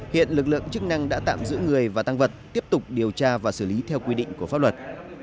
hiện lực lượng chức năng đã tạm giữ người và tăng vật tiếp tục điều tra và xử lý theo quy định của pháp luật